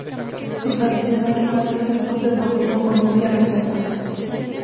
Su tradicional rival es el Club Deportivo Olimpia Reservas.